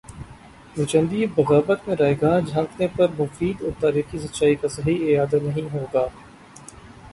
نوچندی بغاوت میں رائیگاں جھانکنے پر مفید اور تاریخی سچائی کا صحیح اعادہ نہیں ہو گا